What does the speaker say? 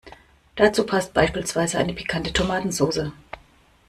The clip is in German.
Dazu passt beispielsweise eine pikante Tomatensoße.